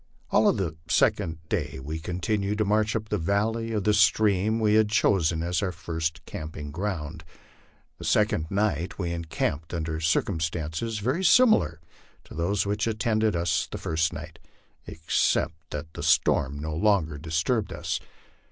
All of the second day we continued to march up the valley of the stream we had chosen as our first camping ground. The second night we encamped under circumstances very similar to those which attended us the first night, except that the storm no longer disturbed us.